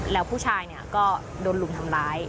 แล้วผู้ชายเนี่ยก็โดนลุมทำร้าย